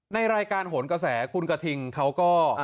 ในรายการโหนกระแสคุณกระทิงเขาก็